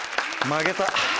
負けた。